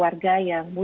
terima kasih pak menteri